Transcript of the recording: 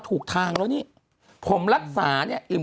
คุณหนุ่มกัญชัยได้เล่าใหญ่ใจความไปสักส่วนใหญ่แล้ว